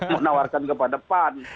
menawarkan ke pan